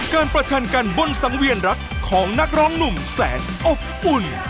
ประชันกันบนสังเวียนรักของนักร้องหนุ่มแสนอบอุ่น